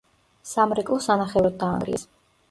სამრეკლო სანახევროდ დაანგრიეს.